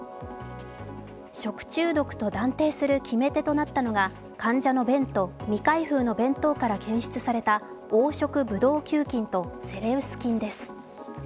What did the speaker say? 食中毒と断定する決め手となったのが患者の便と未開封の弁当から検出された黄色ブドウ球菌とセレウス菌です。